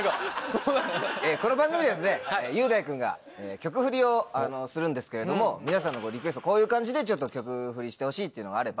この番組ではですね雄大君が曲フリをするんですけれども皆さんのリクエストこういう感じでちょっと曲フリしてほしいっていうのがあれば。